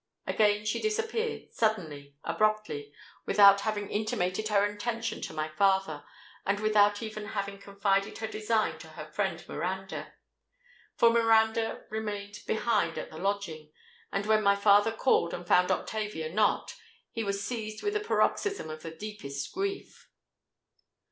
Again she disappeared—suddenly—abruptly—without having intimated her intention to my father, and without even having confided her design to her friend Miranda. For Miranda remained behind at the lodging, and when my father called and found Octavia not, he was seized with a paroxysm of the deepest grief.